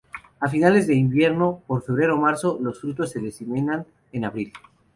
A finales de invierno, por febrero o marzo; los frutos se diseminan en abril.